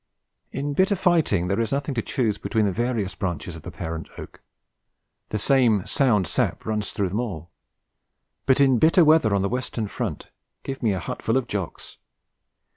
In bitter fighting there is nothing to choose between the various branches of the parent oak. The same sound sap runs through them all. But in bitter weather on the Western Front give me a hutful of Jocks!